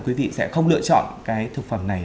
quý vị sẽ không lựa chọn cái thực phẩm này